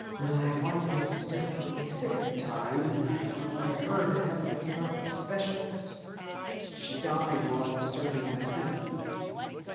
My wife was desperately sick at the time and I wanted her to have the care of specialists. She died while I was serving my sentence."